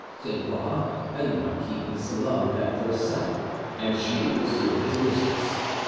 Sainte Croix and the marquise loved at first sight, and she was soon his mistress.